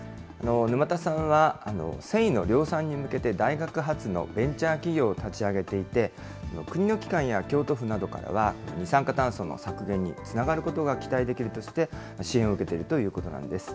沼田さんは、繊維の量産に向けて大学発のベンチャー企業を立ち上げていて、国の機関や京都府などからは、二酸化炭素の削減につながることが期待できるとして、支援を受けているということなんです。